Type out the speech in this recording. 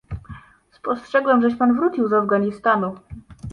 "Spostrzegłem, żeś pan wrócił z Afganistanu."